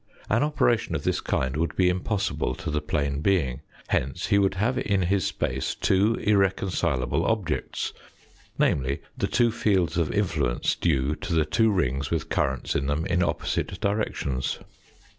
An operation of this kind would be impossible to the plane being. Hence he would have in his space two irreconcilable objects, namely, the two fields of influence due to the two rings with currents in them in opposite directions.